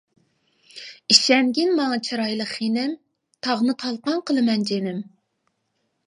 ئىشەنگىن ماڭا چىرايلىق خېنىم، تاغنى تالقان قىلىمەن جېنىم.